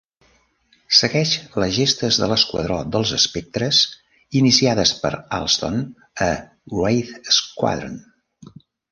Segueix les gestes de l'Esquadró dels Espectres iniciades per Allston a "Wraith Squadron".